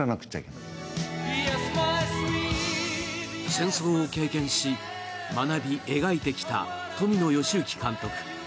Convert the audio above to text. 戦争を経験し、学び描いてきた富野由悠季監督。